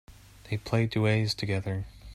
They play duets together.